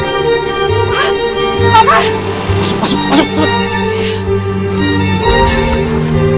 masuk masuk cepet